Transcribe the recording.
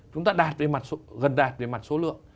chúng ta gần đạt về mặt số lượng